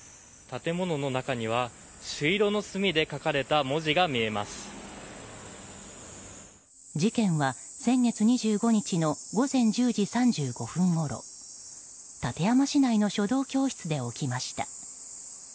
建物の中には朱色の墨で書かれた事件は先月２５日の午前１０時３５分ごろ館山市内の書道教室で起きました。